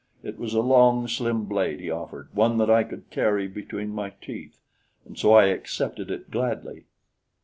It was a long slim blade he offered one that I could carry between my teeth and so I accepted it gladly.